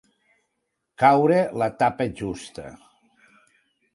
Caure la tapa justa.